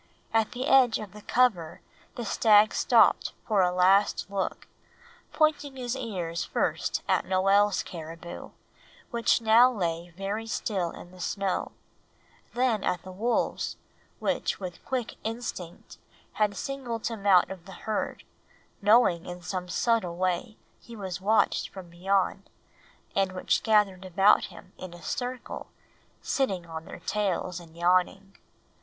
At the edge of the cover the stag stopped for a last look, pointing his ears first at Noel's caribou, which now lay very still in the snow, then at the wolves, which with quick instinct had singled him out of the herd, knowing in some subtle way he was watched from beyond, and which gathered about him in a circle, sitting on their tails and yawning.